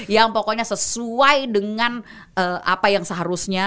yang pokoknya sesuai dengan apa yang seharusnya